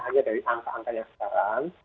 hanya dari angka angkanya sekarang